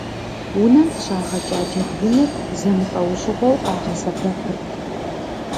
Унэм къыщагъэкӏа джэдгыныр зэмылӏэужьыгъуэу къагъэсэбэпырт.